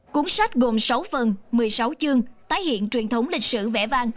cuốn sách gồm sáu phần một mươi sáu chương tái hiện truyền thống lịch sử vẽ vang